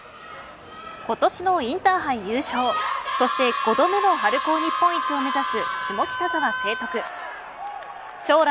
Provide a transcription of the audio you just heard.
今年のインターハイ優勝そして５度目の春高日本一を目指す下北沢成徳。